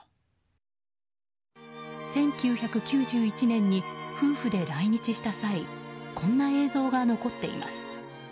１９９１年に夫婦で来日した際こんな映像が残っています。